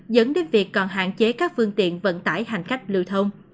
dẫn đến việc còn hạn chế các phương tiện vận tải hành khách lưu thông